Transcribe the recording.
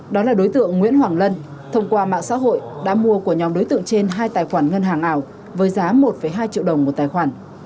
đó là đối tượng nguyễn hoàng lân thông qua mạng xã hội đã mua của nhóm đối tượng trên hai tài khoản ngân hàng ảo với giá một hai triệu đồng một tài khoản